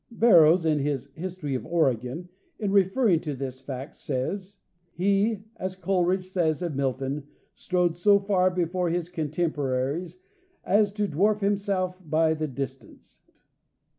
Barrows, in his * History of Oregon," in referring to this fact, says: '' He, as Coleridge says of Milton, strode so far before his contemporaries as to dwarf himself by the distance."